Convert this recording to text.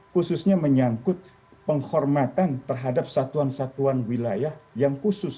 khususnya menyangkut penghormatan terhadap satuan satuan wilayah yang khusus